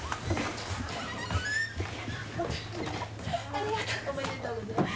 ありがとうございます。